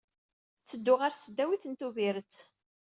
Ttedduɣ ɣer Tesdawit n Tubiret.